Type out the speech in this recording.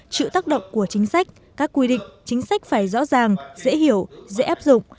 chịu tác động của chính sách các quy định chính sách phải rõ ràng dễ hiểu dễ áp dụng